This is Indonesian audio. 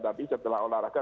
tapi setelah olahraga